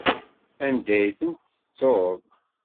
Anda ay tent-tettuḍ?